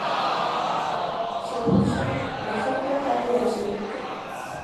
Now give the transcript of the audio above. chemsha mafuta hadi yachemke